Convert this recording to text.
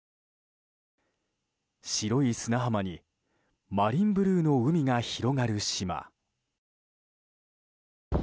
白い砂浜にマリンブルーの海が広がる島。